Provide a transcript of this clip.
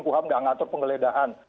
kuhap tidak mengatur penggeledahan